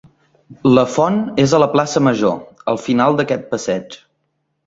La font és a la plaça Major, al final d'aquest passeig.